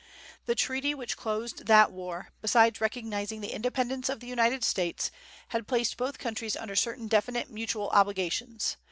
The treaty which closed that war, besides recognizing the independence of the United States, had placed both countries under certain definite mutual obligations.